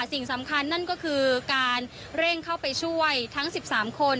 สิ่งสำคัญนั่นก็คือการเร่งเข้าไปช่วยทั้ง๑๓คน